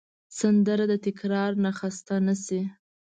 سندره د تکرار نه خسته نه شي